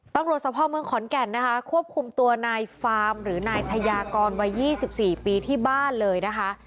ตำรวจสภาพเมืองขอนแก่นนะคะควบคุมตัวนายฟาร์มหรือนายชายากรวัย๒๔ปีที่บ้านเลยนะคะ